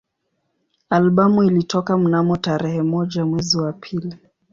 Albamu ilitoka mnamo tarehe moja mwezi wa pili